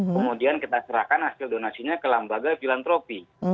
kemudian kita serahkan hasil donasinya ke lembaga filantropi